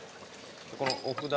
ここのお札。